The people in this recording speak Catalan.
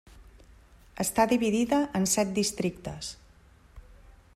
Està dividida en set districtes.